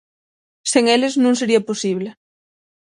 Sen eles non sería posible.